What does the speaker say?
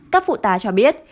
các phụ tá cho biết